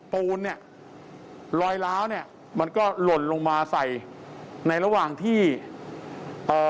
ปูนเนี่ยลอยล้าวเนี้ยมันก็หล่นลงมาใส่ในระหว่างที่เอ่อ